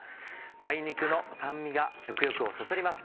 梅肉の酸味が食欲をそそります。